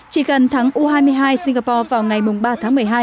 chỉ gần thắng u hai mươi hai singapore vào ngày ba tháng một mươi hai